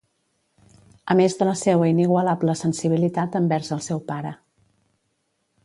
A més de la seua inigualable sensibilitat envers el seu pare.